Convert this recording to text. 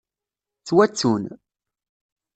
Ttwattun.